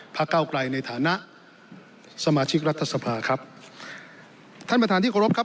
เก้าไกลในฐานะสมาชิกรัฐสภาครับท่านประธานที่เคารพครับ